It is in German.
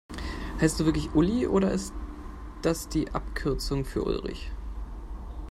Heißt du wirklich Uli, oder ist das die Abkürzung für Ulrich?